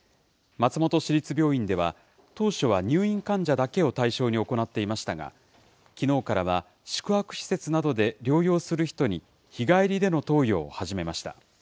松本市立病院では、当初は入院患者だけを対象に行っていましたが、きのうからは、宿泊施設などで療養する人に、日帰りでの投与を始めました。